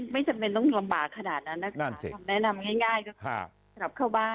ไม่จำเป็นต้องลำบากขนาดนั้นน่ะนะคะ